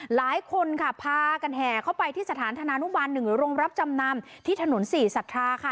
หลายคนค่ะพากันแห่เข้าไปที่สถานธนานุบัน๑โรงรับจำนำที่ถนนศรีสัทธาค่ะ